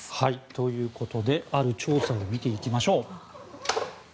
ということである調査を見ていきましょう。